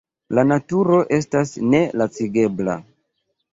La naturo estas nelacigebla.